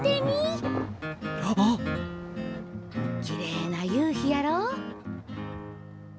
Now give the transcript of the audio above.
きれいな夕日やろ。